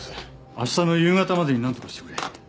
明日の夕方までになんとかしてくれ。